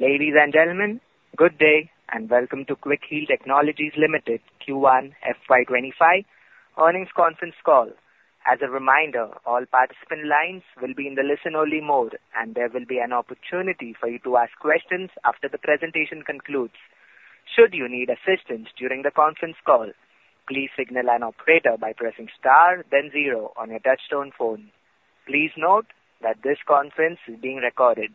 Ladies and gentlemen, good day and welcome to Quick Heal Technologies Limited Q1 FY 2025 earnings conference call. As a reminder, all participant lines will be in the listen-only mode, and there will be an opportunity for you to ask questions after the presentation concludes. Should you need assistance during the conference call, please signal an operator by pressing star, then zero on your touch-tone phone. Please note that this conference is being recorded.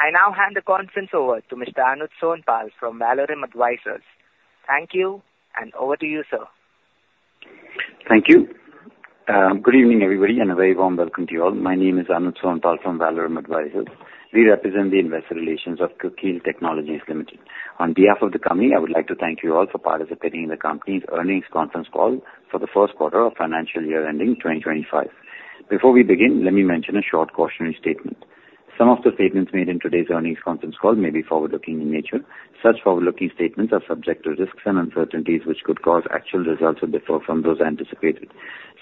I now hand the conference over to Mr. Anuj Sonpal from Valorem Advisors. Thank you, and over to you, sir. Thank you. Good evening, everybody, and a very warm welcome to you all. My name is Anuj Sonpal from Valorem Advisors. We represent the investor relations of Quick Heal Technologies Limited. On behalf of the company, I would like to thank you all for participating in the company's earnings conference call for the first quarter of financial year ending 2025. Before we begin, let me mention a short cautionary statement. Some of the statements made in today's earnings conference call may be forward-looking in nature. Such forward-looking statements are subject to risks and uncertainties which could cause actual results to differ from those anticipated.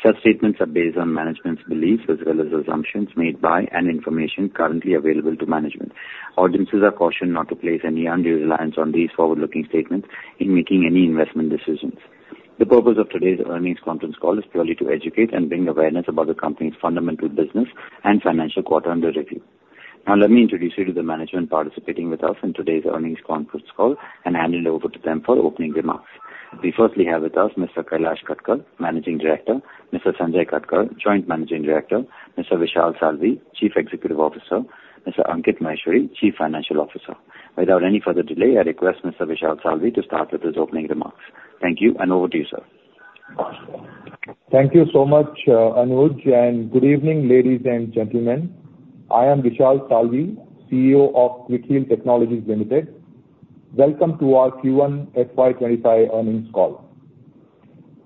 Such statements are based on management's beliefs as well as assumptions made by and information currently available to management. Audiences are cautioned not to place any undue reliance on these forward-looking statements in making any investment decisions. The purpose of today's earnings conference call is purely to educate and bring awareness about the company's fundamental business and financial quarter under review. Now, let me introduce you to the management participating with us in today's earnings conference call and hand it over to them for opening remarks. We firstly have with us Mr. Kailash Katkar, Managing Director, Mr. Sanjay Katkar, Joint Managing Director, Mr. Vishal Salvi, Chief Executive Officer, Mr. Ankit Maheshwari, Chief Financial Officer. Without any further delay, I request Mr. Vishal Salvi to start with his opening remarks. Thank you, and over to you, sir. Thank you so much, Anuj, and good evening, ladies and gentlemen. I am Vishal Salvi, CEO of Quick Heal Technologies Limited. Welcome to our Q1 FY 2025 earnings call.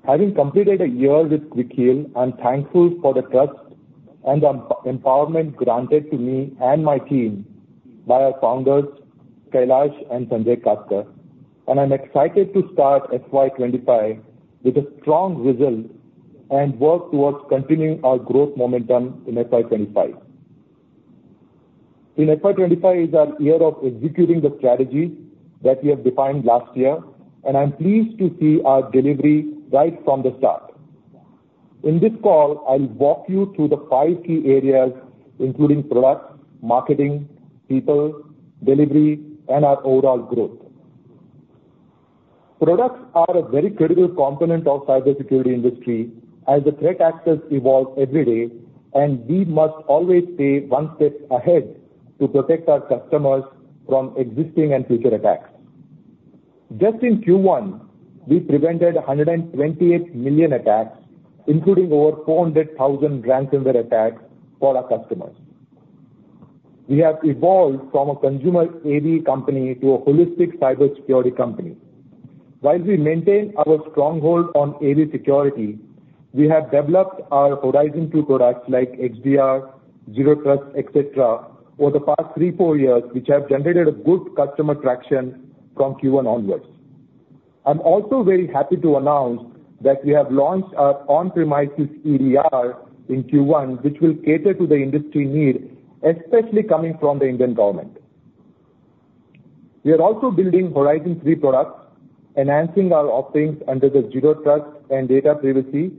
Having completed a year with Quick Heal, I'm thankful for the trust and empowerment granted to me and my team by our founders, Kailash and Sanjay Katkar, and I'm excited to start FY 2025 with a strong result and work towards continuing our growth momentum in FY 2025. In FY 2025, it is our year of executing the strategies that we have defined last year, and I'm pleased to see our delivery right from the start. In this call, I'll walk you through the five key areas, including products, marketing, people, delivery, and our overall growth. Products are a very critical component of the cybersecurity industry as the threat actors evolve every day, and we must always stay one step ahead to protect our customers from existing and future attacks. Just in Q1, we prevented 128 million attacks, including over 400,000 ransomware attacks for our customers. We have evolved from a consumer AV company to a holistic cybersecurity company. While we maintain our stronghold on AV security, we have developed our Horizon 2 products like XDR, Zero Trust, etc., over the past three, four years, which have generated good customer traction from Q1 onwards. I'm also very happy to announce that we have launched our on-premises EDR in Q1, which will cater to the industry need, especially coming from the Indian government. We are also building Horizon 3 products, enhancing our offerings under the Zero Trust and data privacy,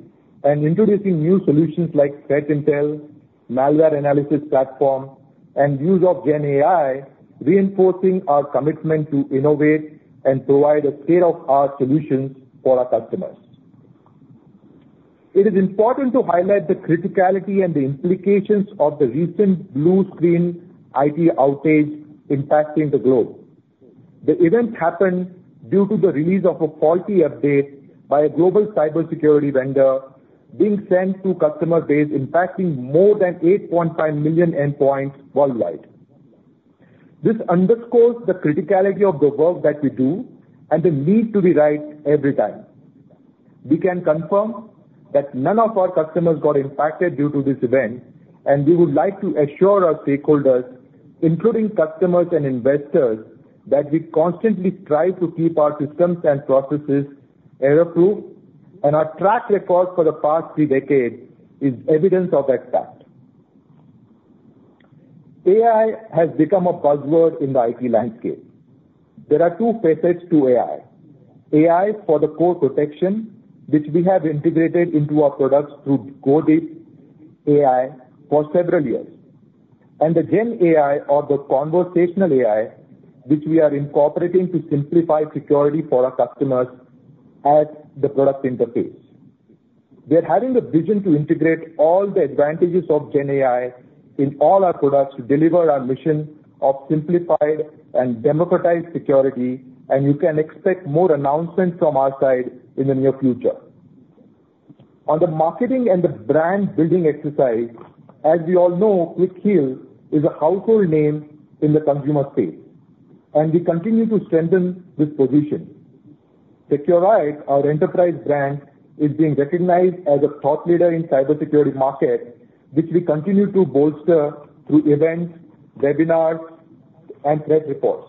and introducing new solutions like Threat Intel, Malware Analysis Platform, and use of GenAI, reinforcing our commitment to innovate and provide a state-of-the-art solutions for our customers. It is important to highlight the criticality and the implications of the recent blue screen IT outage impacting the globe. The event happened due to the release of a faulty update by a global cybersecurity vendor being sent to customer base, impacting more than 8.5 million endpoints worldwide. This underscores the criticality of the work that we do and the need to be right every time. We can confirm that none of our customers got impacted due to this event, and we would like to assure our stakeholders, including customers and investors, that we constantly strive to keep our systems and processes error-proof, and our track record for the past three decades is evidence of that fact. AI has become a buzzword in the IT landscape. There are two facets to AI. AI for the core protection, which we have integrated into our products through GoDeep.AI for several years, and the GenAI or the conversational AI, which we are incorporating to simplify security for our customers at the product interface. We are having a vision to integrate all the advantages of GenAI in all our products to deliver our mission of simplified and democratized security, and you can expect more announcements from our side in the near future. On the marketing and the brand-building exercise, as we all know, Quick Heal is a household name in the consumer space, and we continue to strengthen this position. Seqrite, our enterprise brand, is being recognized as a thought leader in the cybersecurity market, which we continue to bolster through events, webinars, and threat reports.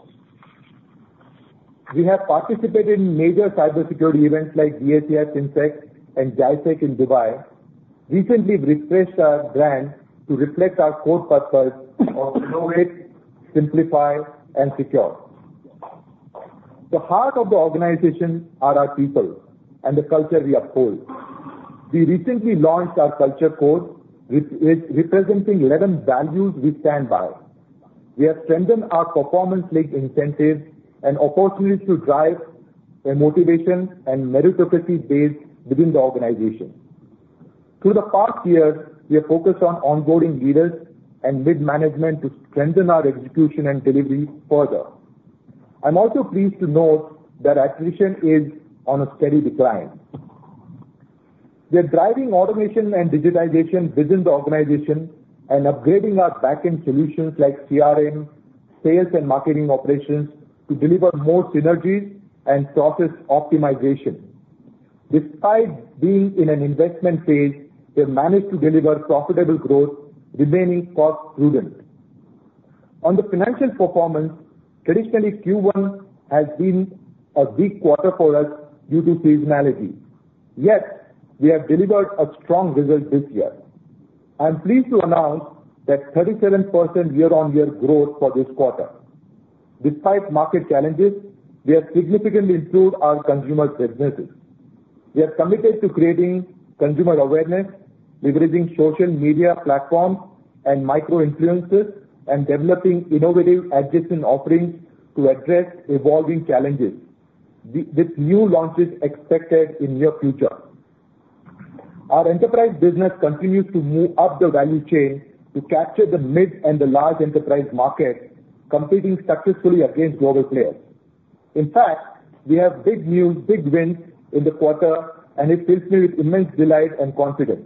We have participated in major cybersecurity events like DACS, FinTech, and GISEC in Dubai. Recently, we refreshed our brand to reflect our core purpose of innovate, simplify, and secure. The heart of the organization is our people and the culture we uphold. We recently launched our Culture Code, representing 11 values we stand by. We have strengthened our performance-linked incentives and opportunities to drive motivation and meritocracy-based within the organization. Through the past year, we have focused on onboarding leaders and mid-management to strengthen our execution and delivery further. I'm also pleased to note that attrition is on a steady decline. We are driving automation and digitization within the organization and upgrading our backend solutions like CRM, sales, and marketing operations to deliver more synergies and process optimization. Despite being in an investment phase, we have managed to deliver profitable growth, remaining cost-prudent. On the financial performance, traditionally, Q1 has been a weak quarter for us due to seasonality. Yet, we have delivered a strong result this year. I'm pleased to announce that 37% year-on-year growth for this quarter. Despite market challenges, we have significantly improved our consumer businesses. We are committed to creating consumer awareness, leveraging social media platforms and micro-influencers, and developing innovative adjacent offerings to address evolving challenges with new launches expected in the near future. Our enterprise business continues to move up the value chain to capture the mid and the large enterprise markets, competing successfully against global players. In fact, we have big news, big wins in the quarter, and it fills me with immense delight and confidence.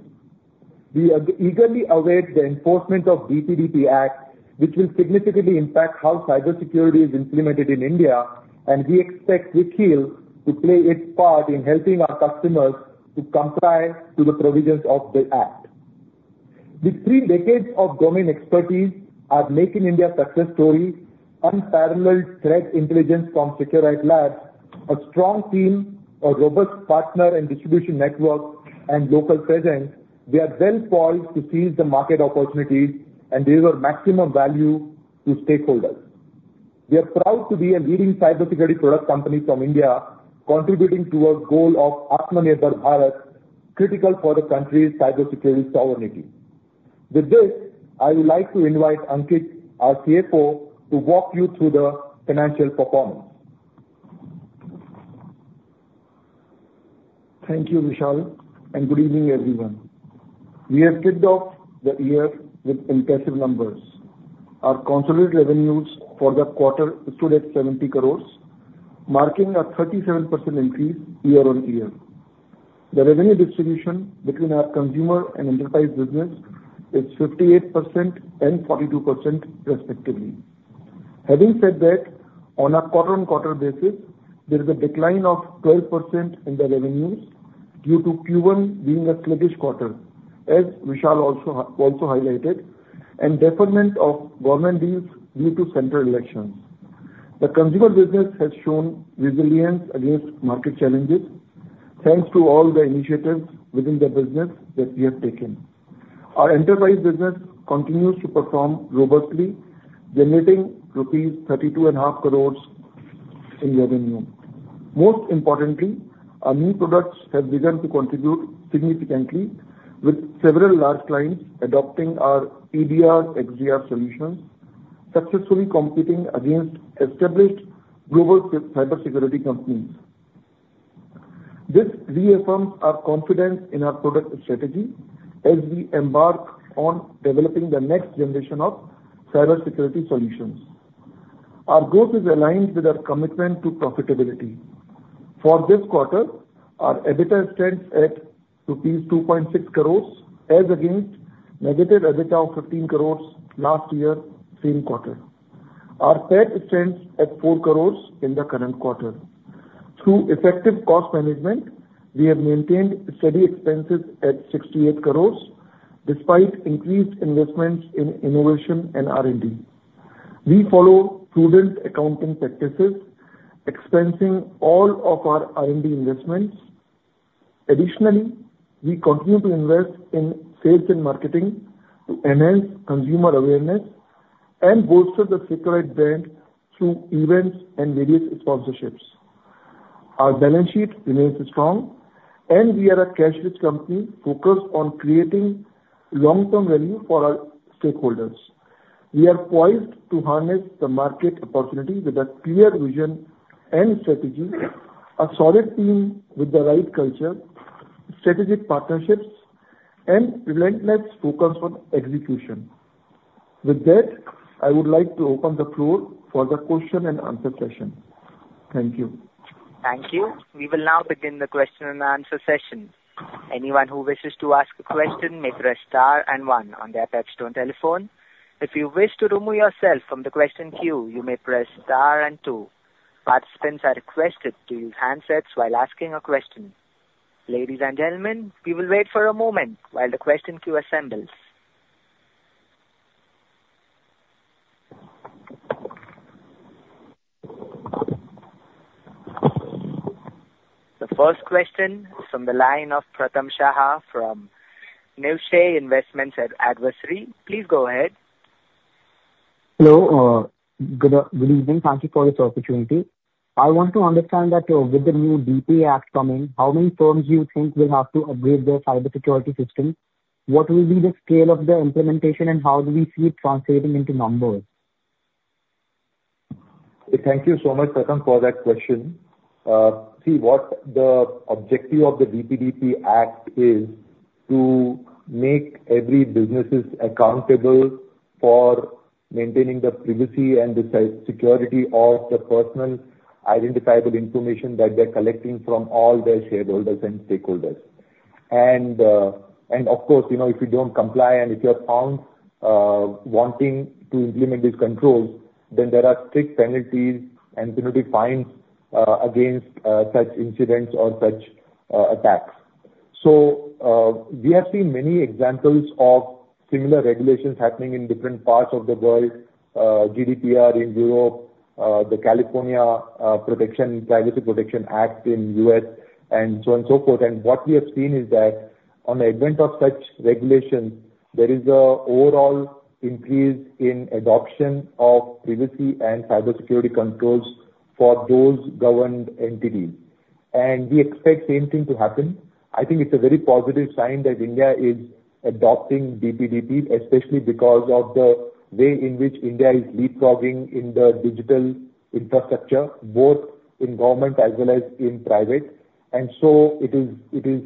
We eagerly await the enforcement of the DPDP Act, which will significantly impact how cybersecurity is implemented in India, and we expect Quick Heal to play its part in helping our customers to comply with the provisions of the act. With three decades of domain expertise at making India success story, unparalleled threat intelligence from Seqrite Labs, a strong team, a robust partner and distribution network, and local presence, we are well-prepared to seize the market opportunities and deliver maximum value to stakeholders. We are proud to be a leading cybersecurity product company from India, contributing to our goal of Atmanirbhar Bharat, critical for the country's cybersecurity sovereignty. With this, I would like to invite Ankit, our CFO, to walk you through the financial performance. Thank you, Vishal, and good evening, everyone. We have kicked off the year with impressive numbers. Our consolidated revenues for the quarter stood at 70 crore, marking a 37% increase year-on-year. The revenue distribution between our consumer and enterprise business is 58% and 42%, respectively. Having said that, on a quarter-on-quarter basis, there is a decline of 12% in the revenues due to Q1 being a sluggish quarter, as Vishal also highlighted, and deferment of government deals due to central elections. The consumer business has shown resilience against market challenges, thanks to all the initiatives within the business that we have taken. Our enterprise business continues to perform robustly, generating rupees 32.5 crore in revenue. Most importantly, our new products have begun to contribute significantly, with several large clients adopting our EDR, XDR solutions, successfully competing against established global cybersecurity companies. This reaffirms our confidence in our product strategy as we embark on developing the next generation of cybersecurity solutions. Our growth is aligned with our commitment to profitability. For this quarter, our EBITDA stands at rupees 2.6 crores, as against negative EBITDA of 15 crores last year, same quarter. Our PAT stands at 4 crores in the current quarter. Through effective cost management, we have maintained steady expenses at 68 crores, despite increased investments in innovation and R&D. We follow prudent accounting practices, expensing all of our R&D investments. Additionally, we continue to invest in sales and marketing to enhance consumer awareness and bolster the Seqrite brand through events and various sponsorships. Our balance sheet remains strong, and we are a cashless company focused on creating long-term value for our stakeholders. We are poised to harness the market opportunity with a clear vision and strategy, a solid team with the right culture, strategic partnerships, and relentless focus on execution. With that, I would like to open the floor for the question and answer session. Thank you. Thank you. We will now begin the question and answer session. Anyone who wishes to ask a question may press star and one on the touch-tone telephone. If you wish to remove yourself from the question queue, you may press star and two. Participants are requested to use handsets while asking a question. Ladies and gentlemen, we will wait for a moment while the question queue assembles. The first question is from the line of Pratham Shah from Niveshaay Investment Advisors. Please go ahead. Hello. Good evening. Thank you for this opportunity. I want to understand that with the new DPDP Act coming, how many firms do you think will have to upgrade their cybersecurity system? What will be the scale of the implementation, and how do we see it translating into numbers? Thank you so much, Pratham, for that question. See, the objective of the DPDP Act is to make every business accountable for maintaining the privacy and the security of the personally identifiable information that they're collecting from all their shareholders and stakeholders. And of course, if you don't comply and if you're found wanting to implement these controls, then there are strict penalties and penalty fines against such incidents or such attacks. So we have seen many examples of similar regulations happening in different parts of the world: GDPR in Europe, the California Privacy Protection Act in the U.S., and so on and so forth. And what we have seen is that on the event of such regulations, there is an overall increase in adoption of privacy and cybersecurity controls for those governed entities. And we expect the same thing to happen. I think it's a very positive sign that India is adopting DPDP, especially because of the way in which India is leapfrogging in the digital infrastructure, both in government as well as in private. And so it is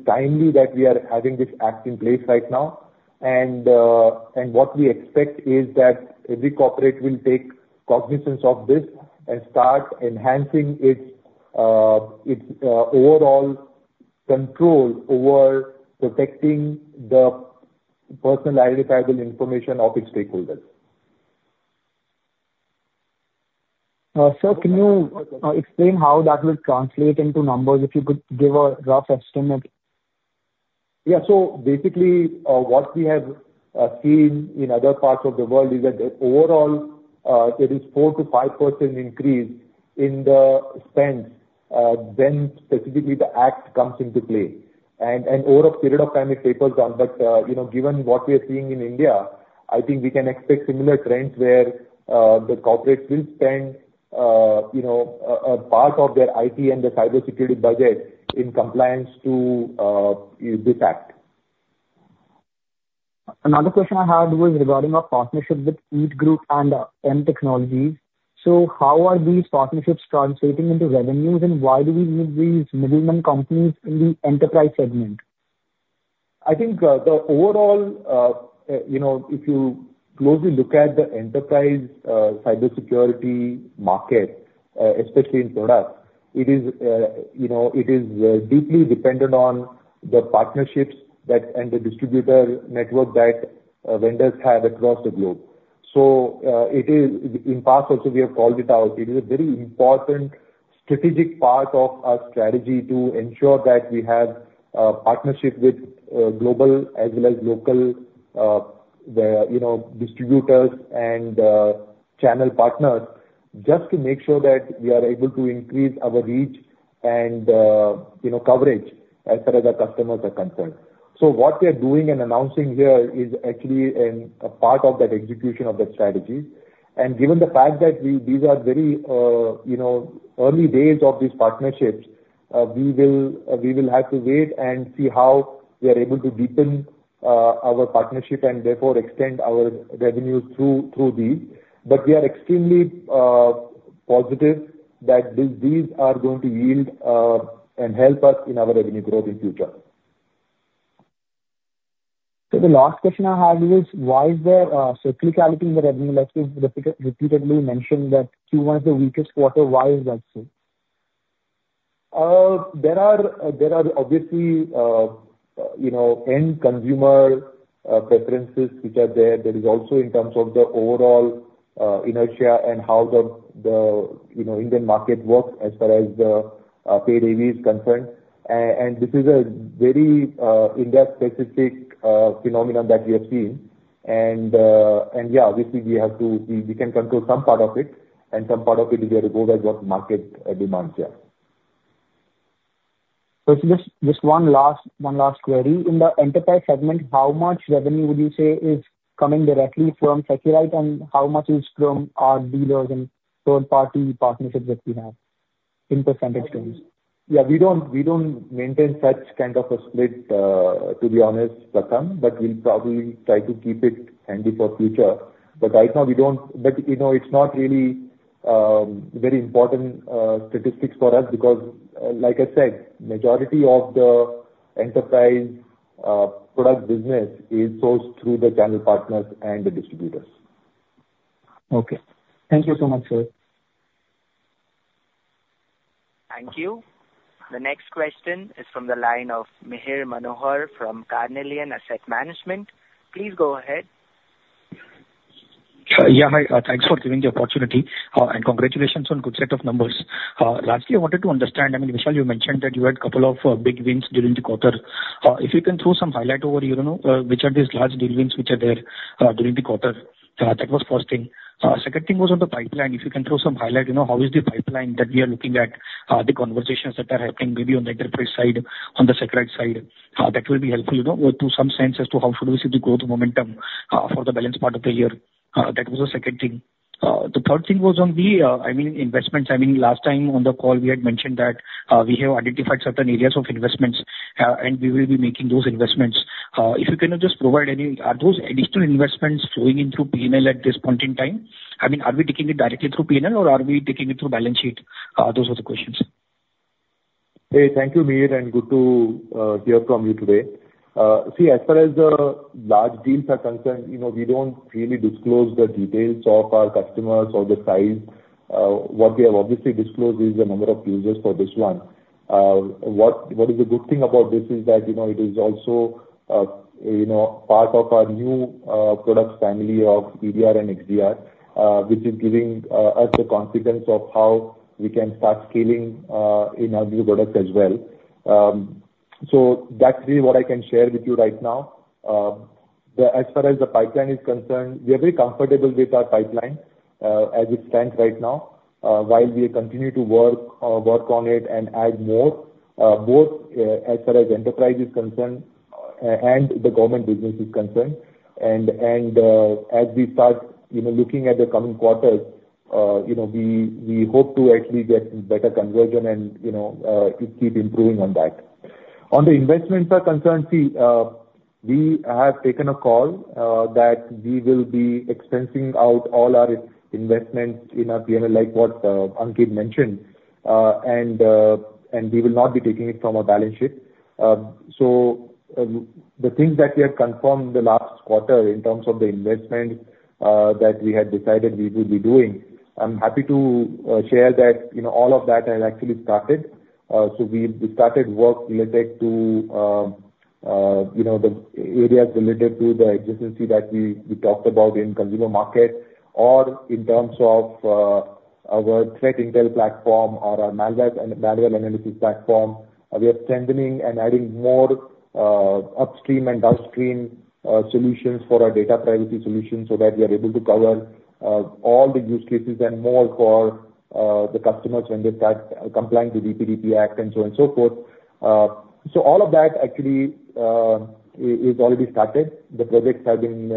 timely that we are having this act in place right now. And what we expect is that every corporate will take cognizance of this and start enhancing its overall control over protecting the personal identifiable information of its stakeholders. Sir, can you explain how that will translate into numbers? If you could give a rough estimate. Yeah. So basically, what we have seen in other parts of the world is that overall, it is 4%-5% increase in the spend when specifically the act comes into play. And over a period of time, it staples on. But given what we are seeing in India, I think we can expect similar trends where the corporates will spend a part of their IT and the cybersecurity budget in compliance to this act. Another question I had was regarding our partnership with EET Group and M Technologies. So how are these partnerships translating into revenues, and why do we need these middlemen companies in the enterprise segment? I think overall, if you closely look at the enterprise cybersecurity market, especially in products, it is deeply dependent on the partnerships and the distributor network that vendors have across the globe. So in the past, also, we have called it out. It is a very important strategic part of our strategy to ensure that we have partnership with global as well as local distributors and channel partners just to make sure that we are able to increase our reach and coverage as far as our customers are concerned. So what we are doing and announcing here is actually a part of that execution of that strategy. And given the fact that these are very early days of these partnerships, we will have to wait and see how we are able to deepen our partnership and therefore extend our revenues through these. But we are extremely positive that these are going to yield and help us in our revenue growth in the future. The last question I had was, why is there a circularity in the revenue? Like you repeatedly mentioned that Q1 is the weakest quarter. Why is that so? There are obviously end consumer preferences which are there. There is also in terms of the overall inertia and how the Indian market works as far as the paid AV is concerned. This is a very India-specific phenomenon that we have seen. Yeah, obviously, we can control some part of it, and some part of it is there to go with what the market demands here. Just one last query. In the enterprise segment, how much revenue would you say is coming directly from Seqrite, and how much is from our dealers and third-party partnerships that we have in percentage terms? Yeah, we don't maintain such kind of a split, to be honest, Pratham, but we'll probably try to keep it handy for the future. But right now, we don't. But it's not really very important statistics for us because, like I said, the majority of the enterprise product business is sourced through the channel partners and the distributors. Okay. Thank you so much, sir. Thank you. The next question is from the line of Mihir Manohar from Carnelian Asset Management. Please go ahead. Yeah, thanks for giving the opportunity. And congratulations on a good set of numbers. Lastly, I wanted to understand, I mean, Vishal, you mentioned that you had a couple of big wins during the quarter. If you can throw some highlight over here, which are these large deal wins which are there during the quarter? That was the first thing. The second thing was on the pipeline. If you can throw some highlight, how is the pipeline that we are looking at, the conversations that are happening maybe on the enterprise side, on the Seqrite side, that will be helpful to some sense as to how should we see the growth momentum for the balance part of the year. That was the second thing. The third thing was on the, I mean, investments. I mean, last time on the call, we had mentioned that we have identified certain areas of investments, and we will be making those investments. If you can just provide any, are those additional investments flowing in through P&L at this point in time? I mean, are we taking it directly through P&L, or are we taking it through balance sheet? Those were the questions. Thank you, Mihir, and good to hear from you today. See, as far as the large deals are concerned, we don't really disclose the details of our customers or the size. What we have obviously disclosed is the number of users for this one. What is the good thing about this is that it is also part of our new product family of EDR and XDR, which is giving us the confidence of how we can start scaling in our new products as well. So that's really what I can share with you right now. As far as the pipeline is concerned, we are very comfortable with our pipeline as it stands right now, while we continue to work on it and add more, both as far as enterprise is concerned and the government business is concerned. And as we start looking at the coming quarters, we hope to actually get better conversion and keep improving on that. On the investments are concerned, see, we have taken a call that we will be expensing out all our investments in a P&L, like what Ankit mentioned, and we will not be taking it from a balance sheet. So the things that we have confirmed the last quarter in terms of the investments that we had decided we would be doing, I'm happy to share that all of that has actually started. So we started work related to the areas related to the ecosystem that we talked about in consumer market or in terms of our threat intel platform or our malware analysis platform. We are strengthening and adding more upstream and downstream solutions for our data privacy solutions so that we are able to cover all the use cases and more for the customers when they start complying with the DPDP Act and so on and so forth. So all of that actually is already started. The projects have been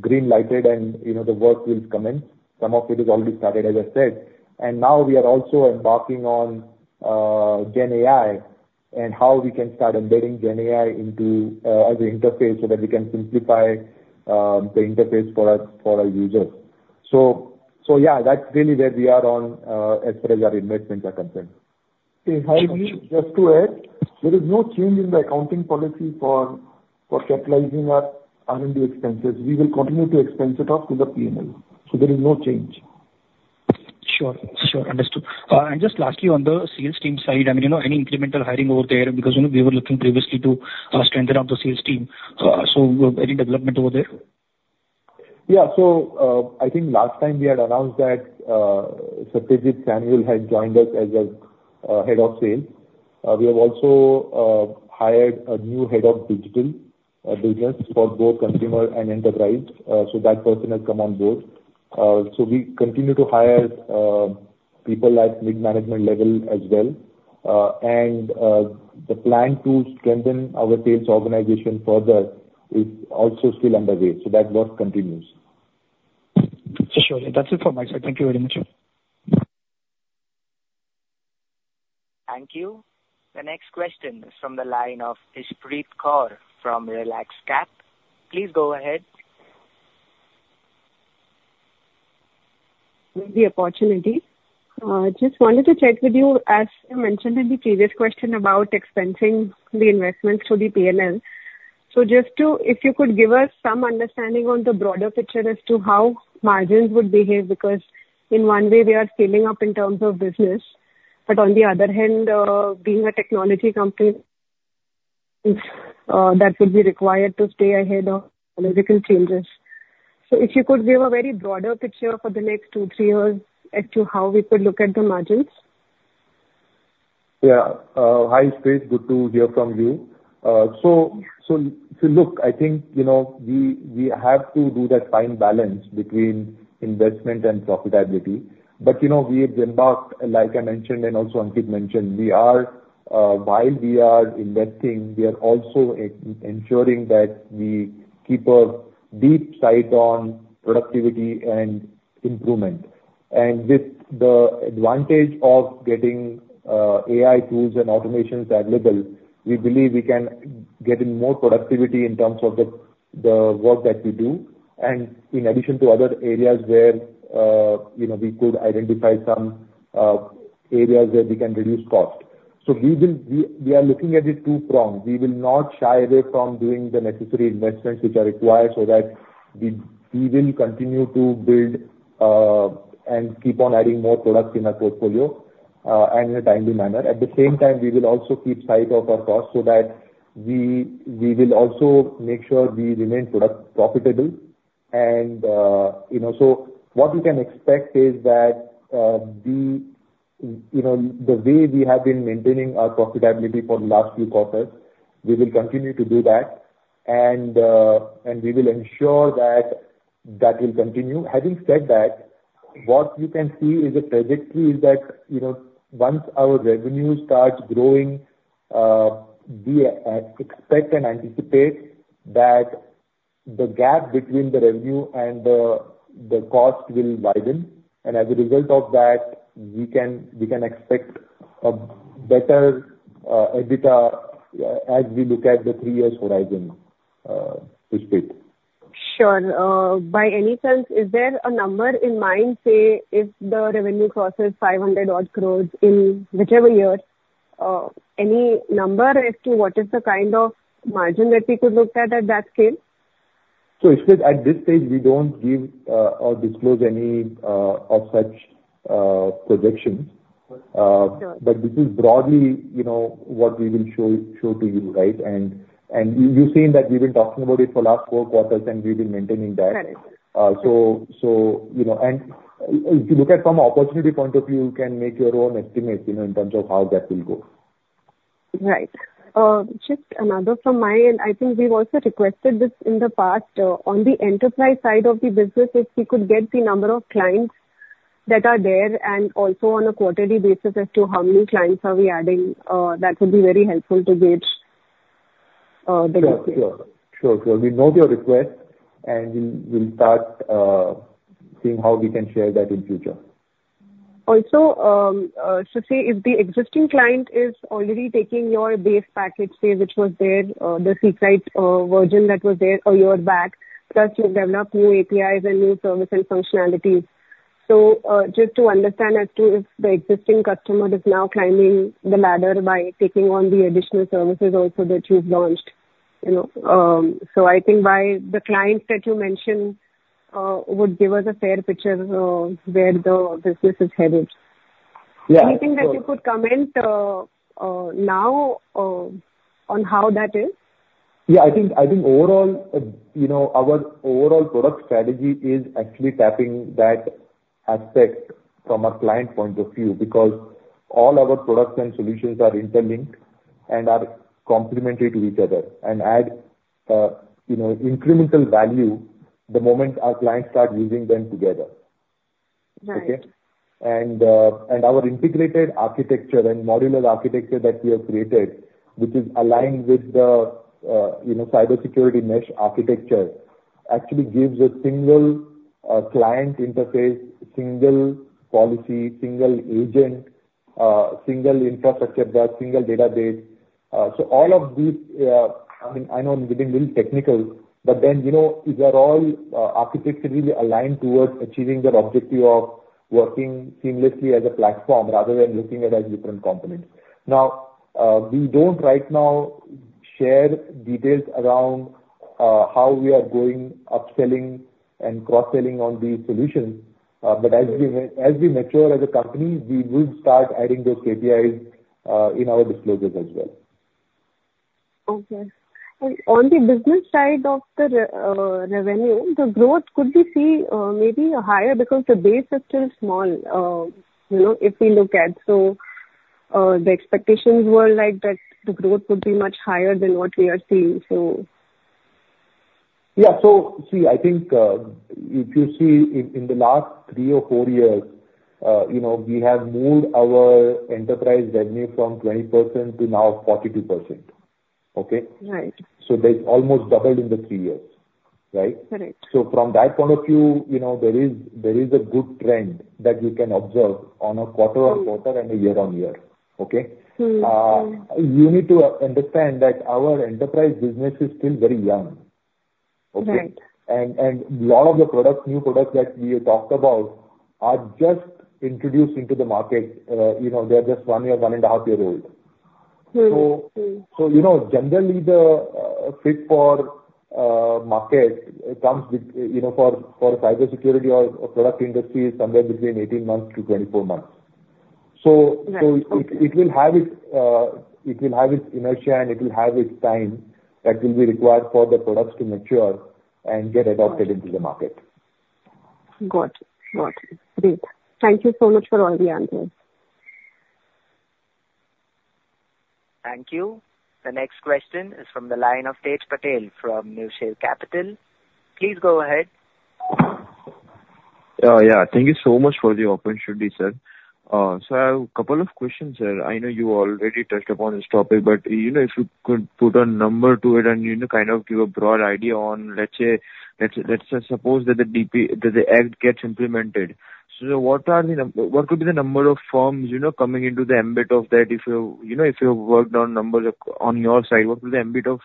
greenlighted, and the work will commence. Some of it is already started, as I said. And now we are also embarking on GenAI and how we can start embedding GenAI into the interface so that we can simplify the interface for our users. So yeah, that's really where we are on as far as our investments are concerned. Okay. How do you? Just to add, there is no change in the accounting policy for capitalizing our R&D expenses. We will continue to expense it off to the P&L. So there is no change. Sure. Sure. Understood. And just lastly, on the sales team side, I mean, any incremental hiring over there because we were looking previously to strengthen up the sales team. So any development over there? Yeah. So I think last time we had announced that Sathyajith Samuel had joined us as a head of sales. We have also hired a new head of digital business for both consumer and enterprise. So that person has come on board. So we continue to hire people at mid-management level as well. And the plan to strengthen our sales organization further is also still underway. So that work continues. Sure. That's informative. Thank you very much. Thank you. The next question is from the line of Ishpreet Kaur from RelaxCap. Please go ahead. Thank you, Pratham. The opportunity. Just wanted to check with you, as you mentioned in the previous question about expensing the investments to the P&L. So just if you could give us some understanding on the broader picture as to how margins would behave because in one way, we are scaling up in terms of business, but on the other hand, being a technology company, that would be required to stay ahead of technological changes. So if you could give a very broad picture for the next 2-3 years as to how we could look at the margins. Yeah. Hi, Ishpreet. Good to hear from you. So look, I think we have to do that fine balance between investment and profitability. But we have embarked, like I mentioned, and also Ankit mentioned, while we are investing, we are also ensuring that we keep a deep sight on productivity and improvement. And with the advantage of getting AI tools and automations available, we believe we can get in more productivity in terms of the work that we do and in addition to other areas where we could identify some areas where we can reduce cost. So we are looking at it two-pronged. We will not shy away from doing the necessary investments which are required so that we will continue to build and keep on adding more products in our portfolio and in a timely manner. At the same time, we will also keep sight of our cost so that we will also make sure we remain profitable. And so what we can expect is that the way we have been maintaining our profitability for the last few quarters, we will continue to do that, and we will ensure that that will continue. Having said that, what you can see is a trajectory is that once our revenue starts growing, we expect and anticipate that the gap between the revenue and the cost will widen. And as a result of that, we can expect a better EBITDA as we look at the three-year horizon, Ishpreet. Sure. By any sense, is there a number in mind, say, if the revenue crosses 500-odd crore in whichever year, any number as to what is the kind of margin that we could look at at that scale? Ishpreet, at this stage, we don't disclose any of such projections. This is broadly what we will show to you, right? You've seen that we've been talking about it for the last four quarters, and we've been maintaining that. If you look at it from an opportunity point of view, you can make your own estimate in terms of how that will go. Right. Just another from my end, I think we've also requested this in the past. On the enterprise side of the business, if we could get the number of clients that are there and also on a quarterly basis as to how many clients are we adding, that would be very helpful to gauge the growth rate. Sure. Sure. Sure. We'll note your request, and we'll start seeing how we can share that in the future. Also, so say if the existing client is already taking your base package, say, which was there, the Seqrite version that was there a year back, plus you've developed new APIs and new service and functionalities. So just to understand as to if the existing customer is now climbing the ladder by taking on the additional services also that you've launched. So I think by the clients that you mentioned would give us a fair picture of where the business is headed. Anything that you could comment now on how that is? Yeah. I think overall, our overall product strategy is actually tapping that aspect from our client point of view because all our products and solutions are interlinked and are complementary to each other and add incremental value the moment our clients start using them together. Okay? And our integrated architecture and modular architecture that we have created, which is aligned with the Cybersecurity Mesh Architecture, actually gives a single client interface, single policy, single agent, single infrastructure bus, single database. So all of these, I mean, I know I'm getting a little technical, but then these are all architecturally aligned towards achieving the objective of working seamlessly as a platform rather than looking at it as different components. Now, we don't right now share details around how we are going upselling and cross-selling on these solutions. But as we mature as a company, we will start adding those KPIs in our disclosures as well. Okay. On the business side of the revenue, the growth could be seen maybe higher because the base is still small if we look at. The expectations were that the growth would be much higher than what we are seeing, so. Yeah. So see, I think if you see in the last 3 or 4 years, we have moved our enterprise revenue from 20% to now 42%. Okay? So that's almost doubled in the 3 years, right? So from that point of view, there is a good trend that you can observe on a quarter-over-quarter and a year-over-year. Okay? You need to understand that our enterprise business is still very young. Okay? And a lot of the new products that we have talked about are just introduced into the market. They are just 1 year, 1.5 years old. So generally, the fit for market comes for cybersecurity or product industry somewhere between 18-24 months. So it will have its inertia, and it will have its time that will be required for the products to mature and get adopted into the market. Got it. Got it. Great. Thank you so much for all the answers. Thank you. The next question is from the line of Tej Patel from Niveshaay Capital. Please go ahead. Yeah. Thank you so much for the opportunity, sir. So I have a couple of questions, sir. I know you already touched upon this topic, but if you could put a number to it and kind of give a broad idea on, let's say, let's suppose that the act gets implemented. So what could be the number of firms coming into the ambit of that? If you have worked on numbers on your side, what would the ambit of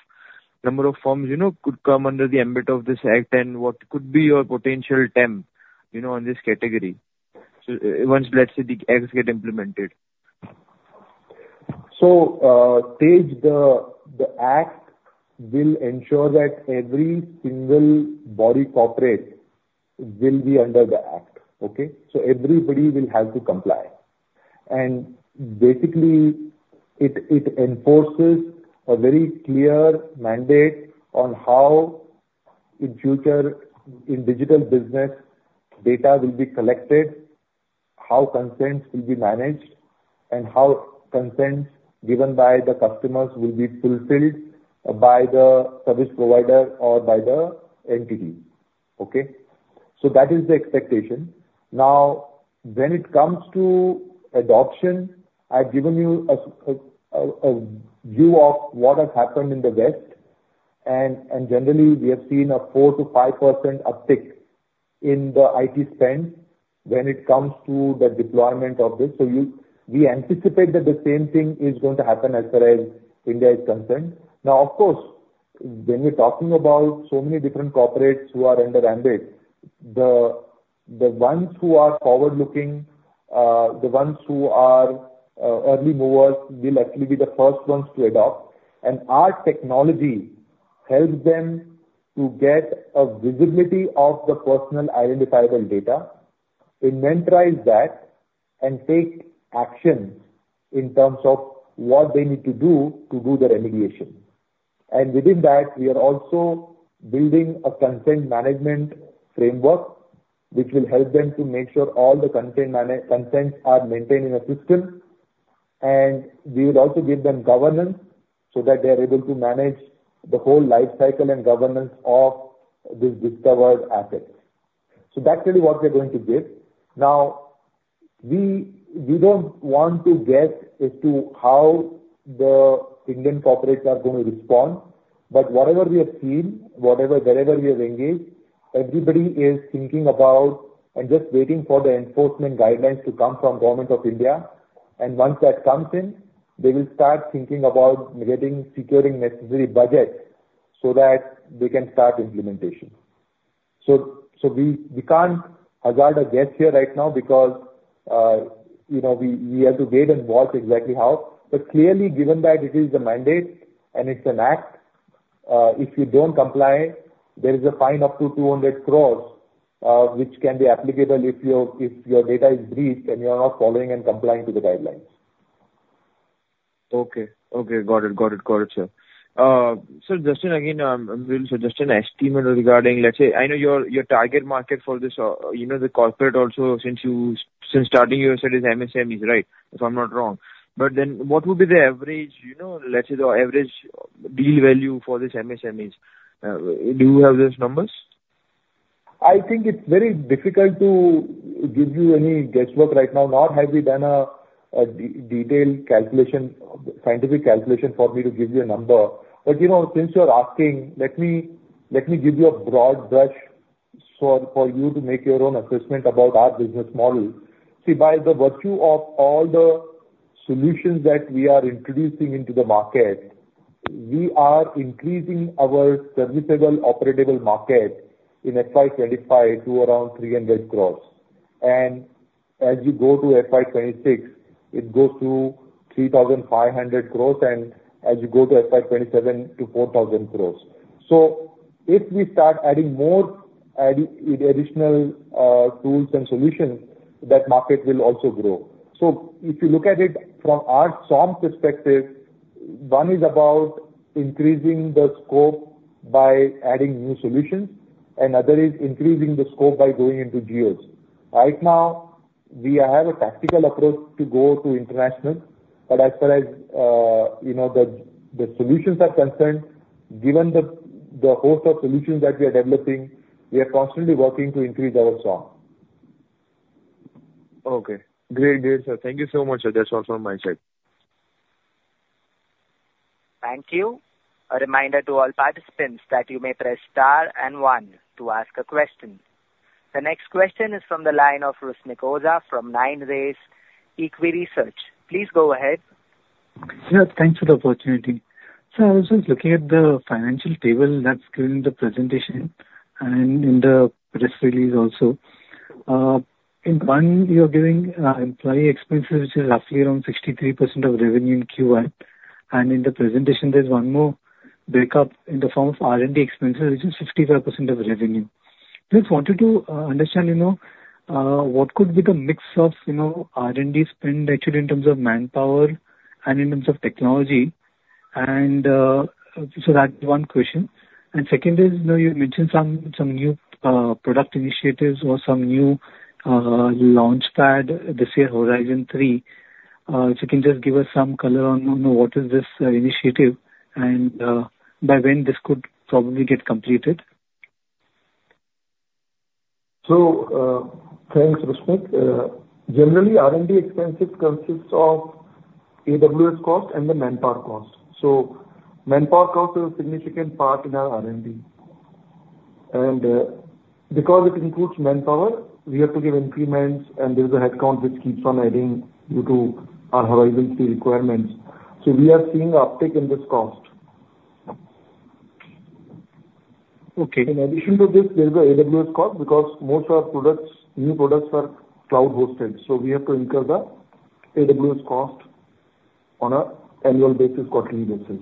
number of firms could come under the ambit of this act, and what could be your potential TAM on this category once, let's say, the acts get implemented? So Tej, the act will ensure that every single body corporate will be under the act. Okay? So everybody will have to comply. And basically, it enforces a very clear mandate on how in future, in digital business, data will be collected, how consents will be managed, and how consents given by the customers will be fulfilled by the service provider or by the entity. Okay? So that is the expectation. Now, when it comes to adoption, I've given you a view of what has happened in the West. And generally, we have seen a 4%-5% uptick in the IT spend when it comes to the deployment of this. So we anticipate that the same thing is going to happen as far as India is concerned. Now, of course, when we're talking about so many different corporates who are under Ambit, the ones who are forward-looking, the ones who are early movers will actually be the first ones to adopt. Our technology helps them to get a visibility of the personal identifiable data, inventorize that, and take action in terms of what they need to do to do the remediation. Within that, we are also building a consent management framework which will help them to make sure all the consents are maintained in a system. We will also give them governance so that they are able to manage the whole lifecycle and governance of this discovered asset. So that's really what we're going to give. Now, we don't want to guess as to how the Indian corporates are going to respond. But whatever we have seen, wherever we have engaged, everybody is thinking about and just waiting for the enforcement guidelines to come from the Government of India. And once that comes in, they will start thinking about securing necessary budgets so that they can start implementation. So we can't hazard a guess here right now because we have to wait and watch exactly how. But clearly, given that it is a mandate and it's an act, if you don't comply, there is a fine up to 200 crore which can be applicable if your data is breached and you are not following and complying to the guidelines. Okay. Okay. Got it. Got it. Got it, sir. So just in again, I'm going to suggest an estimate regarding, let's say, I know your target market for this, the corporate also, since starting your studies MSMEs, right? If I'm not wrong. But then what would be the average, let's say, the average deal value for this MSMEs? Do you have those numbers? I think it's very difficult to give you any guesswork right now. Not have we done a detailed calculation, scientific calculation for me to give you a number. But since you're asking, let me give you a broad brush for you to make your own assessment about our business model. See, by the virtue of all the solutions that we are introducing into the market, we are increasing our serviceable operatable market in FY 2025 to around 300 crores. And as you go to FY 2026, it goes to 3,500 crores, and as you go to FY 2027 to 4,000 crores. So if we start adding more additional tools and solutions, that market will also grow. So if you look at it from our SOM perspective, one is about increasing the scope by adding new solutions, and the other is increasing the scope by going into geos. Right now, we have a tactical approach to go to international. But as far as the solutions are concerned, given the host of solutions that we are developing, we are constantly working to increase our SOM. Okay. Great, great, sir. Thank you so much, sir. That's all from my side. Thank you. A reminder to all participants that you may press star and one to ask a question. The next question is from the line of Rusmik Oza from 9 Rays EquiResearch. Please go ahead. Sir, thanks for the opportunity. So I was just looking at the financial table that's given in the presentation and in the press release also. In one, you are giving employee expenses, which is roughly around 63% of revenue in Q1. And in the presentation, there's one more breakup in the form of R&D expenses, which is 55% of revenue. Just wanted to understand what could be the mix of R&D spend actually in terms of manpower and in terms of technology. And so that's one question. And second is, you mentioned some new product initiatives or some new launchpad this year, Horizon 3. If you can just give us some color on what is this initiative and by when this could probably get completed. So thanks, Rusmik. Generally, R&D expenses consist of AWS cost and the manpower cost. So manpower cost is a significant part in our R&D. And because it includes manpower, we have to give increments, and there is a headcount which keeps on adding due to our Horizon 3 requirements. So we are seeing an uptick in this cost. In addition to this, there is an AWS cost because most of our new products are cloud-hosted. So we have to incur the AWS cost on an annual basis, quarterly basis.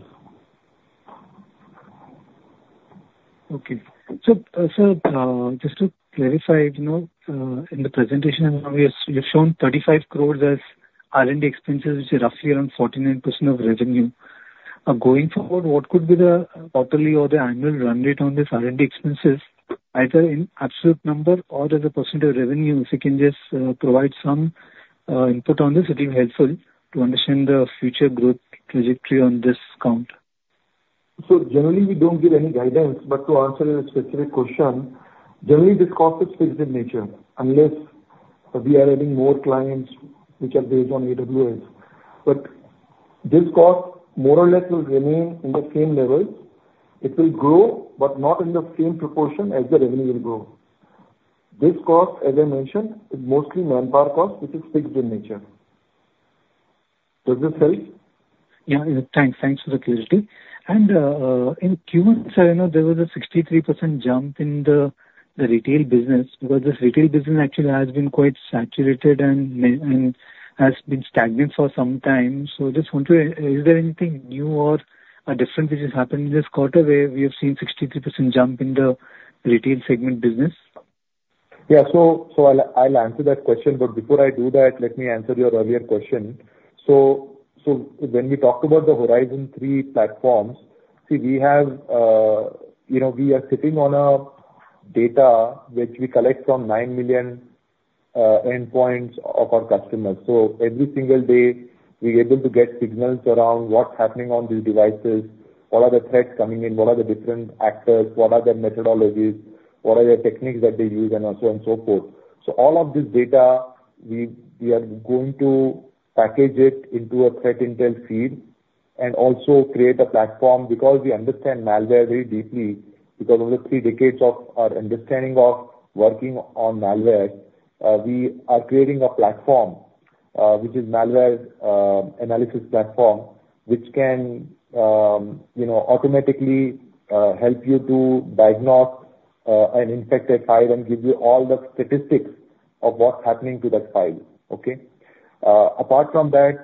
Okay. So sir, just to clarify, in the presentation, you've shown 35 crore as R&D expenses, which is roughly around 49% of revenue. Going forward, what could be the quarterly or the annual run rate on this R&D expenses, either in absolute number or as a percent of revenue? If you can just provide some input on this, it will be helpful to understand the future growth trajectory on this count. Generally, we don't give any guidance. But to answer your specific question, generally, this cost is fixed in nature unless we are adding more clients which are based on AWS. But this cost more or less will remain in the same levels. It will grow, but not in the same proportion as the revenue will grow. This cost, as I mentioned, is mostly manpower cost, which is fixed in nature. Does this help? Yeah. Thanks for the clarity. In Q1, sir, there was a 63% jump in the retail business because this retail business actually has been quite saturated and has been stagnant for some time. So I just want to know, is there anything new or different which has happened in this quarter where we have seen a 63% jump in the retail segment business? Yeah. So I'll answer that question. But before I do that, let me answer your earlier question. So when we talked about the Horizon 3 platforms, see, we are sitting on data which we collect from 9 million endpoints of our customers. So every single day, we are able to get signals around what's happening on these devices, what are the threats coming in, what are the different actors, what are their methodologies, what are their techniques that they use, and so on and so forth. So all of this data, we are going to package it into a threat intel feed and also create a platform because we understand malware very deeply. Because over the three decades of our understanding of working on malware, we are creating a platform, which is a malware analysis platform, which can automatically help you to diagnose an infected file and give you all the statistics of what's happening to that file. Okay? Apart from that,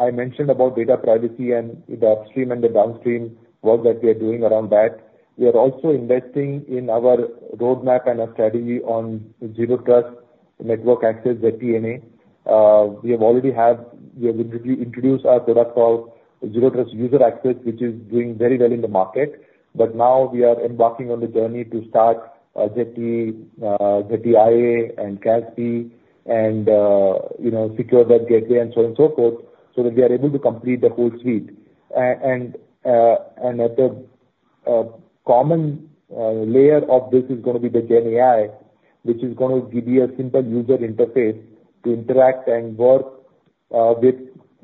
I mentioned about data privacy and the upstream and the downstream work that we are doing around that. We are also investing in our roadmap and our strategy on Zero Trust Network Access, ZTNA. We have already introduced our product called Zero Trust User Access, which is doing very well in the market. But now we are embarking on the journey to start ZTIA and CASB and secure that gateway and so on and so forth so that we are able to complete the whole suite. The common layer of this is going to be the GenAI, which is going to give you a simple user interface to interact and work with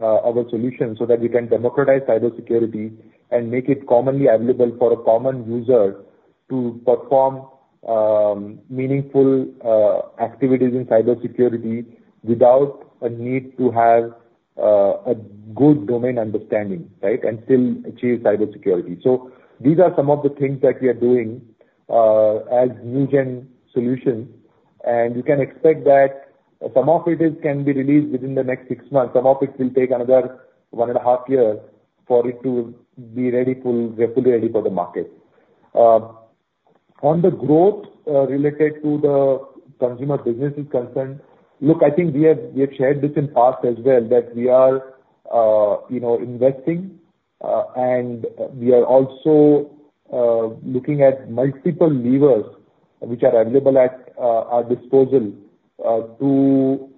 our solutions so that we can democratize cybersecurity and make it commonly available for a common user to perform meaningful activities in cybersecurity without a need to have a good domain understanding, right, and still achieve cybersecurity. These are some of the things that we are doing as new-gen solutions. You can expect that some of it can be released within the next six months. Some of it will take another one and a half years for it to be fully ready for the market. On the growth related to the consumer businesses concerned, look, I think we have shared this in the past as well, that we are investing, and we are also looking at multiple levers which are available at our disposal to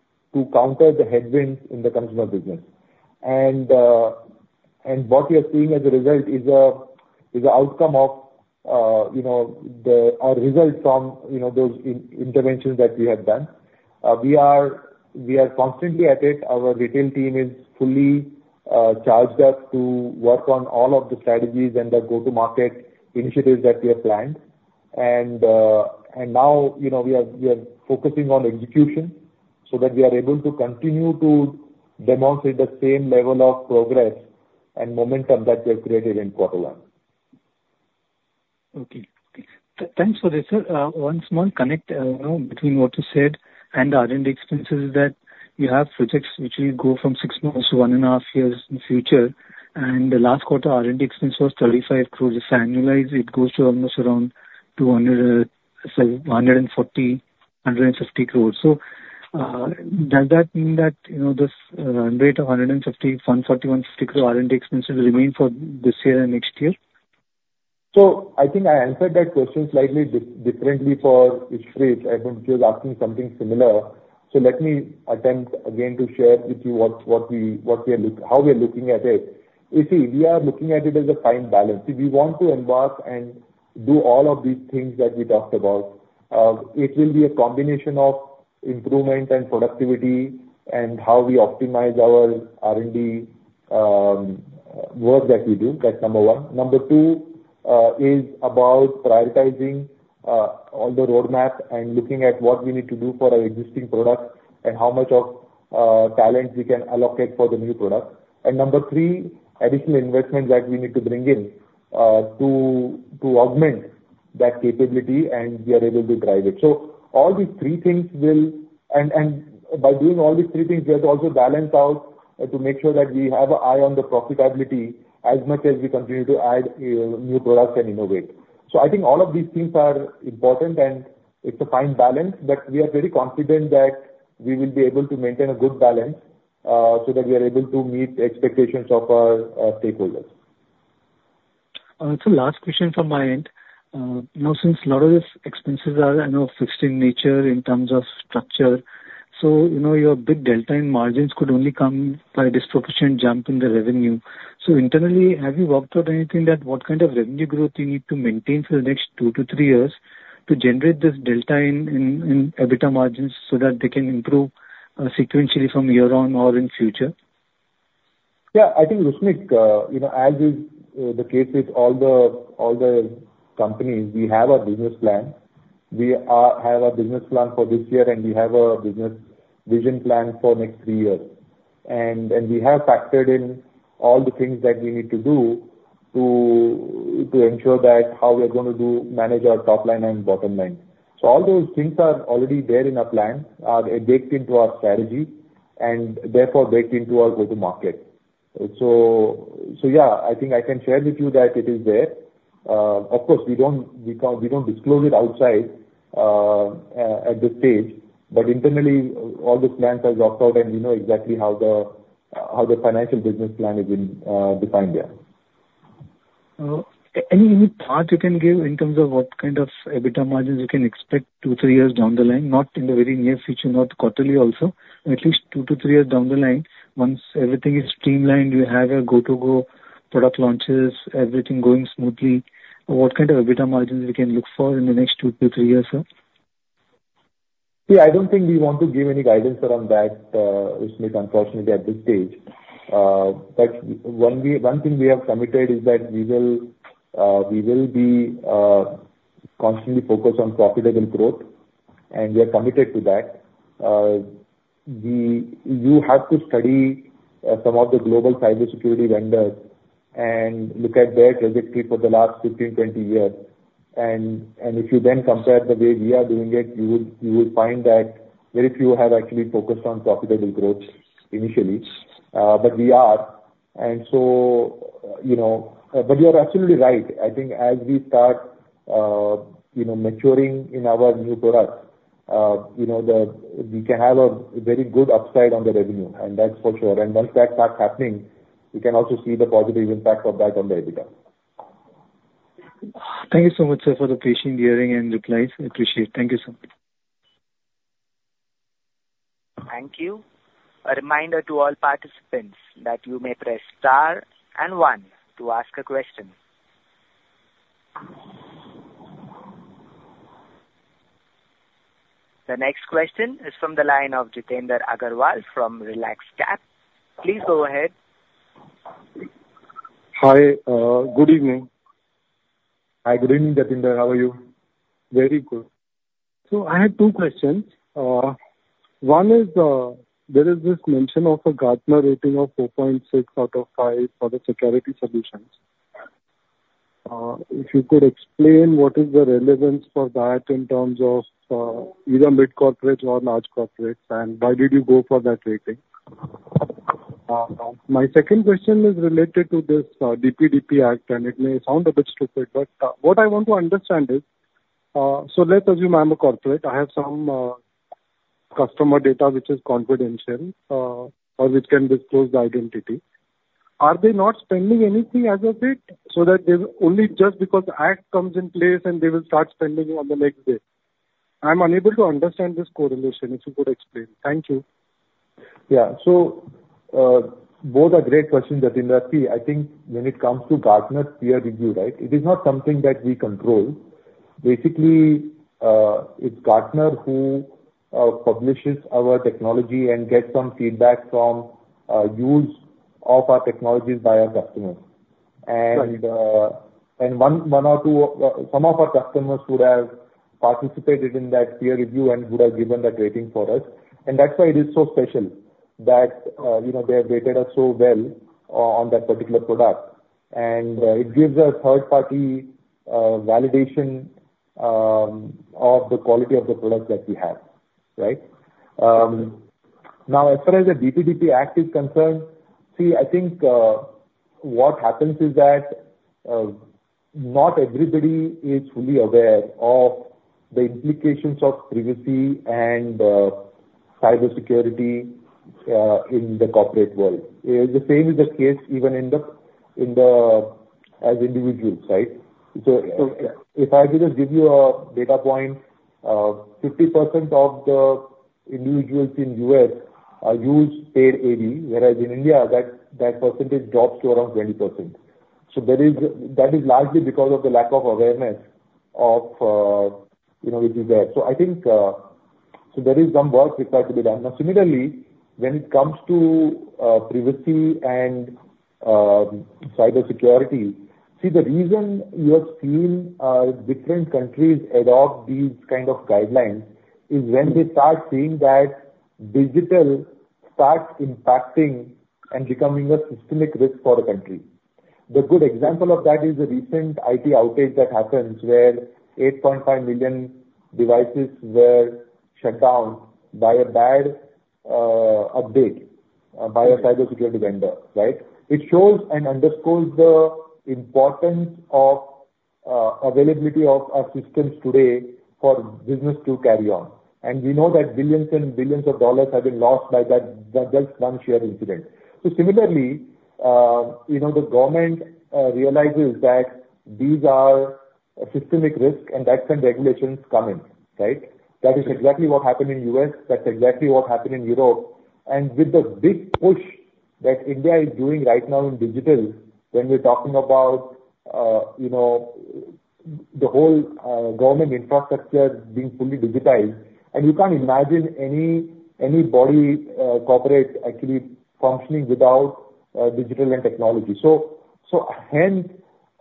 counter the headwinds in the consumer business. What we are seeing as a result is the outcome of the result from those interventions that we have done. We are constantly at it. Our retail team is fully charged up to work on all of the strategies and the go-to-market initiatives that we have planned. Now we are focusing on execution so that we are able to continue to demonstrate the same level of progress and momentum that we have created in quarter one. Okay. Thanks for this, sir. One small connect between what you said and the R&D expenses is that you have projects which will go from 6 months to 1.5 years in the future. The last quarter, R&D expense was 35 crore. If annualized, it goes to almost around 140-150 crore. So does that mean that this run rate of 140-150 crore R&D expenses will remain for this year and next year? So I think I answered that question slightly differently for Ishrit. I think she was asking something similar. So let me attempt again to share with you what we are looking at. How we are looking at it? You see, we are looking at it as a fine balance. If we want to embark and do all of these things that we talked about, it will be a combination of improvement and productivity and how we optimize our R&D work that we do. That's number one. Number two is about prioritizing all the roadmap and looking at what we need to do for our existing product and how much of talent we can allocate for the new product. And number three, additional investment that we need to bring in to augment that capability and be able to drive it. So all these three things will, and by doing all these three things, we have to also balance out to make sure that we have an eye on the profitability as much as we continue to add new products and innovate. So I think all of these things are important, and it's a fine balance. But we are very confident that we will be able to maintain a good balance so that we are able to meet the expectations of our stakeholders. Last question from my end. Now, since a lot of these expenses are fixed in nature in terms of structure, so your big delta in margins could only come by a disproportionate jump in the revenue. Internally, have you worked out anything that what kind of revenue growth you need to maintain for the next two to three years to generate this delta in EBITDA margins so that they can improve sequentially from year on or in future? Yeah. I think, Rusmik, as is the case with all the companies, we have our business plan. We have our business plan for this year, and we have a business vision plan for the next three years. We have factored in all the things that we need to do to ensure that how we are going to manage our top line and bottom line. All those things are already there in our plan, baked into our strategy, and therefore baked into our go-to-market. So yeah, I think I can share with you that it is there. Of course, we don't disclose it outside at this stage. Internally, all the plans are worked out, and we know exactly how the financial business plan is defined there. Any thought you can give in terms of what kind of EBITDA margins you can expect 2-3 years down the line, not in the very near future, not quarterly also, but at least 2-3 years down the line, once everything is streamlined, you have your go-to-go product launches, everything going smoothly, what kind of EBITDA margins we can look for in the next 2-3 years, sir? Yeah. I don't think we want to give any guidance around that, Rusmik, unfortunately, at this stage. But one thing we have committed is that we will be constantly focused on profitable growth, and we are committed to that. You have to study some of the global cybersecurity vendors and look at their trajectory for the last 15, 20 years. And if you then compare the way we are doing it, you will find that very few have actually focused on profitable growth initially. But we are. And so but you're absolutely right. I think as we start maturing in our new product, we can have a very good upside on the revenue, and that's for sure. And once that starts happening, we can also see the positive impact of that on the EBITDA. Thank you so much, sir, for the patient hearing and replies. I appreciate it. Thank you, sir. Thank you. A reminder to all participants that you may press star and one to ask a question. The next question is from the line of Jitendra Agarwal from RelaxCap. Please go ahead. Hi. Good evening. Hi. Good evening, Jitendra. How are you? Very good. So I have two questions. One is, there is this mention of a Gartner rating of 4.6 out of 5 for the security solutions. If you could explain what is the relevance for that in terms of either mid-corporates or large corporates, and why did you go for that rating? My second question is related to this DPDP Act, and it may sound a bit stupid, but what I want to understand is, so let's assume I'm a corporate. I have some customer data which is confidential or which can disclose the identity. Are they not spending anything as of it so that they only just because the act comes in place, and they will start spending on the next day? I'm unable to understand this correlation. If you could explain. Thank you. Yeah. So both are great questions, Jitendra. See, I think when it comes to Gartner's peer review, right, it is not something that we control. Basically, it's Gartner who publishes our technology and gets some feedback from use of our technologies by our customers. And one or two some of our customers would have participated in that peer review and would have given that rating for us. And that's why it is so special that they have rated us so well on that particular product. And it gives a third-party validation of the quality of the products that we have, right? Now, as far as the DPDP Act is concerned, see, I think what happens is that not everybody is fully aware of the implications of privacy and cybersecurity in the corporate world. The same is the case even as individuals, right? So if I could just give you a data point, 50% of the individuals in the U.S. use paid AV, whereas in India, that percentage drops to around 20%. So that is largely because of the lack of awareness of which is there. So I think there is some work required to be done. Now, similarly, when it comes to privacy and cybersecurity, see, the reason you have seen different countries adopt these kinds of guidelines is when they start seeing that digital starts impacting and becoming a systemic risk for a country. The good example of that is the recent IT outage that happened where 8.5 million devices were shut down by a bad update by a cybersecurity vendor, right? It shows and underscores the importance of availability of our systems today for business to carry on. We know that billions and billions of dollars have been lost by that just one shared incident. So similarly, the government realizes that these are systemic risks, and that's when regulations come in, right? That is exactly what happened in the U.S. That's exactly what happened in Europe. And with the big push that India is doing right now in digital, when we're talking about the whole government infrastructure being fully digitized, and you can't imagine any body corporate actually functioning without digital and technology. So hence,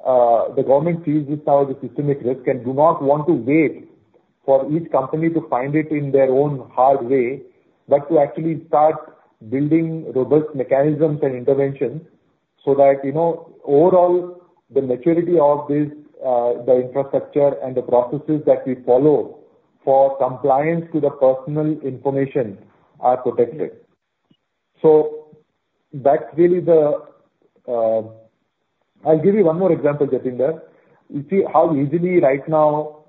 the government sees this as a systemic risk and does not want to wait for each company to find it in their own hard way, but to actually start building robust mechanisms and interventions so that overall, the maturity of the infrastructure and the processes that we follow for compliance to the personal information are protected. So that's really I'll give you one more example, Jitendra. You see how easily right now,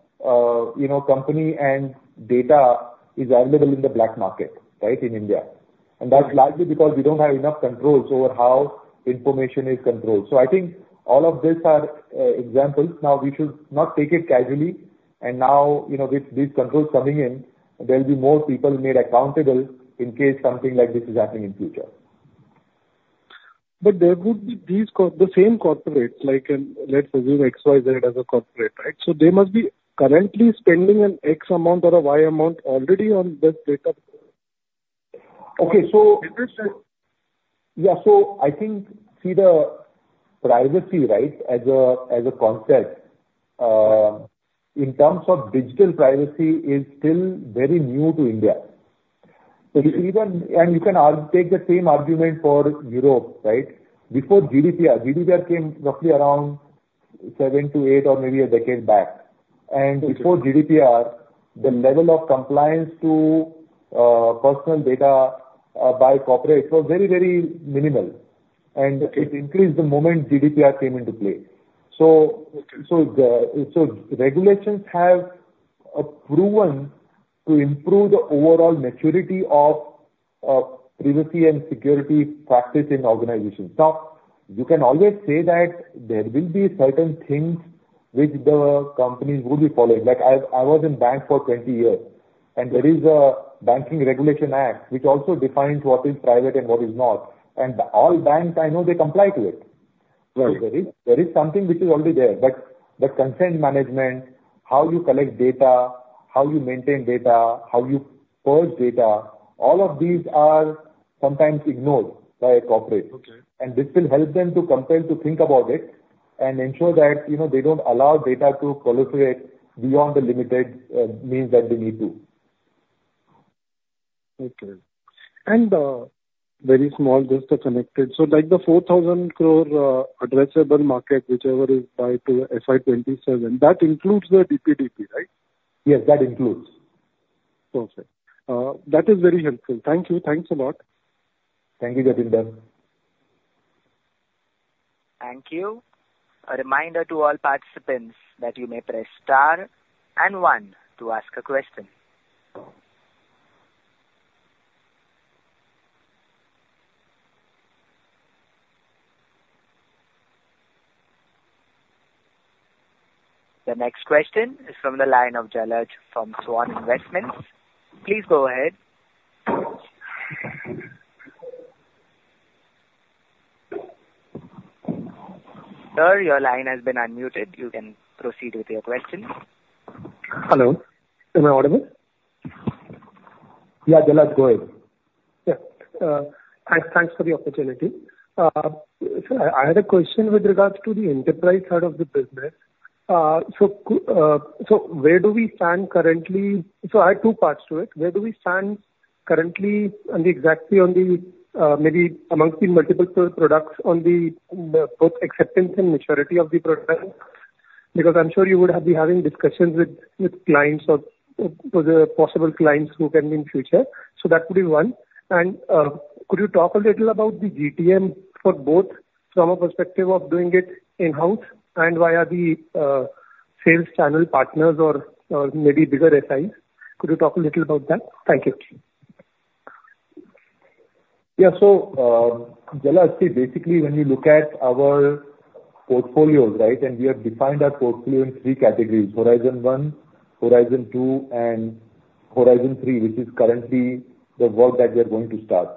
company and data is available in the black market, right, in India. And that's largely because we don't have enough controls over how information is controlled. So I think all of these are examples. Now, we should not take it casually. And now, with these controls coming in, there will be more people made accountable in case something like this is happening in the future. But there would be these same corporates, let's assume XYZ as a corporate, right? So they must be currently spending an X amount or a Y amount already on this data. Okay. So. Yeah. So I think, see, the privacy, right, as a concept, in terms of digital privacy, is still very new to India. You can take the same argument for Europe, right? Before GDPR, GDPR came roughly around 7-8 or maybe a decade back. Before GDPR, the level of compliance to personal data by corporates was very, very minimal. It increased the moment GDPR came into play. So regulations have proven to improve the overall maturity of privacy and security practice in organizations. Now, you can always say that there will be certain things which the companies will be following. I was in bank for 20 years, and there is a Banking Regulation Act which also defines what is private and what is not. All banks, I know they comply to it. So there is something which is already there. But the consent management, how you collect data, how you maintain data, how you purge data, all of these are sometimes ignored by corporates. And this will help them to compare to think about it and ensure that they don't allow data to proliferate beyond the limited means that they need to. Okay. Very small, just a connected. So the 4,000 crore addressable market, whichever is by FY 2027, that includes the DPDP, right? Yes, that includes. Perfect. That is very helpful. Thank you. Thanks a lot. Thank you, Jitendra. Thank you. A reminder to all participants that you may press star and one to ask a question. The next question is from the line of Jalaj from Svan Investments. Please go ahead. Sir, your line has been unmuted. You can proceed with your question. Hello. Am I audible? Yeah, Jalaj, go ahead. Yeah. Thanks for the opportunity. So I had a question with regards to the enterprise side of the business. So where do we stand currently? So I have two parts to it. Where do we stand currently and exactly maybe amongst the multiple products on both acceptance and maturity of the product? Because I'm sure you would be having discussions with clients or possible clients who can be in the future. So that would be one. And could you talk a little about the GTM for both from a perspective of doing it in-house and via the sales channel partners or maybe bigger SIs? Could you talk a little about that? Thank you. Yeah. So Jalaj, see, basically, when you look at our portfolios, right, and we have defined our portfolio in three categories: Horizon One, Horizon Two, and Horizon Three, which is currently the work that we are going to start.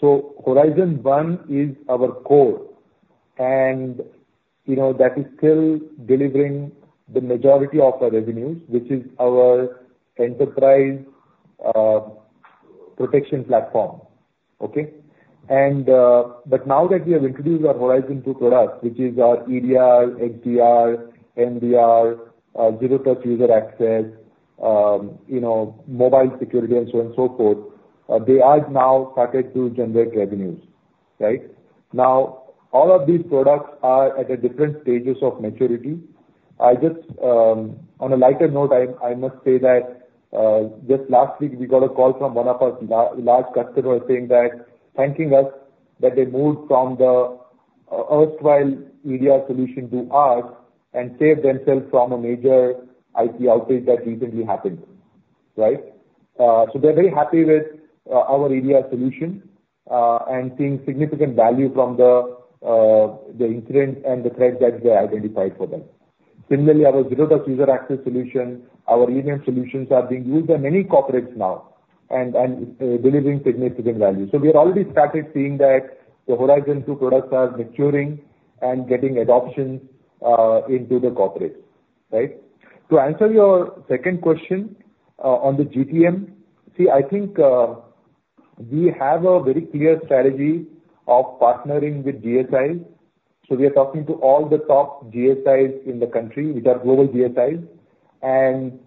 So Horizon One is our core, and that is still delivering the majority of our revenues, which is our enterprise protection platform, okay? But now that we have introduced our Horizon Two products, which is our EDR, XDR, MDR, Zero Trust User Access, mobile security, and so on and so forth, they are now starting to generate revenues, right? Now, all of these products are at different stages of maturity. On a lighter note, I must say that just last week, we got a call from one of our large customers saying that, thanking us, that they moved from the erstwhile EDR solution to us and saved themselves from a major IT outage that recently happened, right? So they're very happy with our EDR solution and seeing significant value from the incident and the threat that they identified for them. Similarly, our Zero Trust User Access solution, our EDR solutions are being used by many corporates now and delivering significant value. So we have already started seeing that the Horizon Two products are maturing and getting adoption into the corporates, right? To answer your second question on the GTM, see, I think we have a very clear strategy of partnering with GSIs. So we are talking to all the top GSIs in the country, which are global GSIs, and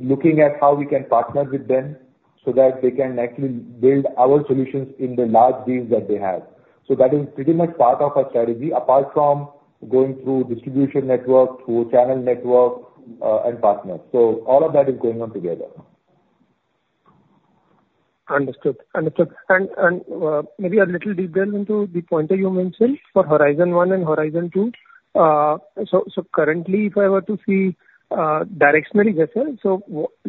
looking at how we can partner with them so that they can actually build our solutions in the large deals that they have. So that is pretty much part of our strategy, apart from going through distribution network, through channel network, and partners. So all of that is going on together. Understood. Understood. And maybe a little detail into the point that you mentioned for Horizon One and Horizon Two. So currently, if I were to see directionally, Vishal, so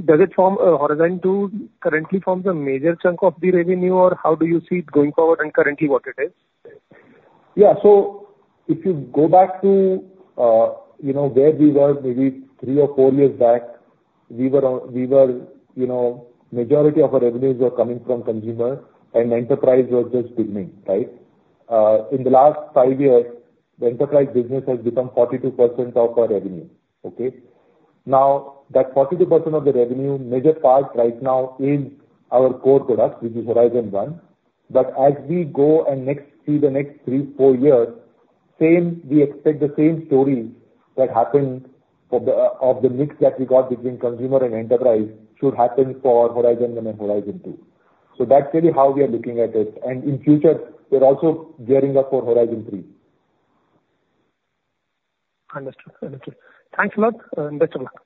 does it form Horizon Two currently forms a major chunk of the revenue, or how do you see it going forward and currently what it is? Yeah. So if you go back to where we were maybe 3 or 4 years back, we were majority of our revenues were coming from consumer, and enterprise was just beginning, right? In the last 5 years, the enterprise business has become 42% of our revenue, okay? Now, that 42% of the revenue, major part right now is our core products, which is Horizon One. But as we go and see the next 3-4 years, we expect the same stories that happened of the mix that we got between consumer and enterprise should happen for Horizon One and Horizon Two. So that's really how we are looking at it. And in future, we're also gearing up for Horizon Three. Understood. Understood. Thanks a lot. Best of luck.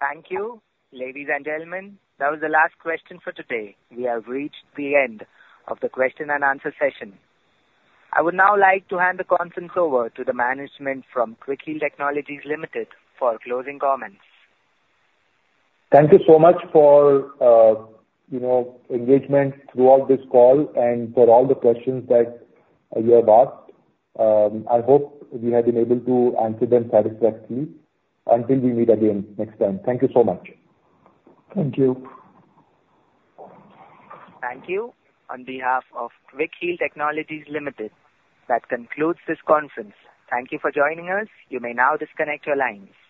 Thank you, ladies and gentlemen. That was the last question for today. We have reached the end of the question and answer session. I would now like to hand the conference over to the management from Quick Heal Technologies Limited for closing comments. Thank you so much for engagement throughout this call and for all the questions that you have asked. I hope we have been able to answer them satisfactorily. Until we meet again next time, thank you so much. Thank you. Thank you. On behalf of Quick Heal Technologies Limited, that concludes this conference. Thank you for joining us. You may now disconnect your lines.